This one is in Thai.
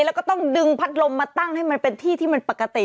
แล้วก็ต้องดึงพัดลมมาตั้งให้มันเป็นที่ที่มันปกติ